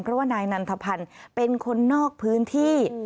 เพราะว่านายนันทพันธ์เป็นคนนอกพื้นที่